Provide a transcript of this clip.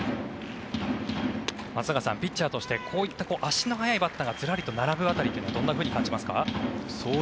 松坂さん、ピッチャーとしてこういった足の速いバッターがずらりと並ぶ辺りというのはどんなふうに感じますか。